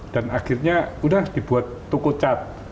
dan akhirnya udah dibuat toko cat